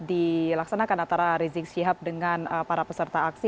dilaksanakan antara rizik syihab dengan para peserta aksi